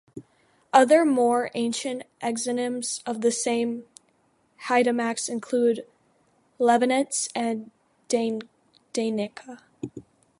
Other more ancient exonyms of the same haidamaks include "levenetz" and "deineka".